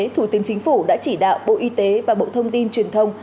thủ tướng chính phủ đã chỉ đạo bộ y tế và bộ thông tin truyền thông